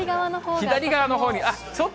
左側のほうに？